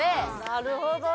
なるほどね。